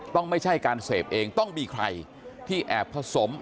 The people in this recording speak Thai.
ไม่ใช่การเสพเองต้องมีใครที่แอบผสม